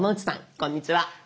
こんにちは。